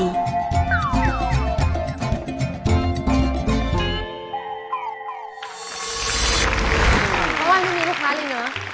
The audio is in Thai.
เมื่อวานไม่มีลูกค้าเลยเนอะ